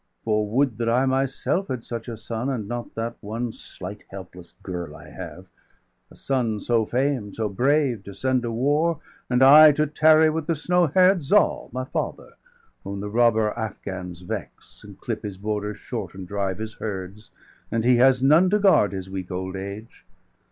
For would that I myself had such a son, And not that one slight helpless girl° I have °230 A son so famed, so brave, to send to war, And I to tarry with the snow hair'd Zal,° °232 My father, whom the robber Afghans vex, And clip his borders short, and drive his herds, And he has none to guard his weak old age.